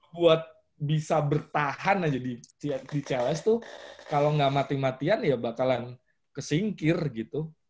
buat bisa bertahan aja di challes tuh kalau gak mati matian ya bakalan kesingkir gitu